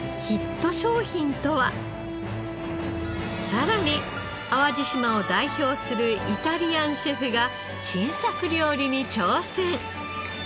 さらに淡路島を代表するイタリアンシェフが新作料理に挑戦。